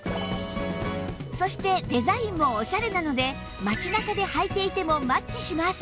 そしてデザインもオシャレなので街中で履いていてもマッチします